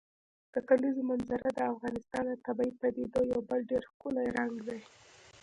د کلیزو منظره د افغانستان د طبیعي پدیدو یو بل ډېر ښکلی رنګ دی.